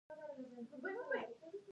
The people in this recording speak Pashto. آیا د ډبرو سکرو غیرقانوني کیندنه روانه ده؟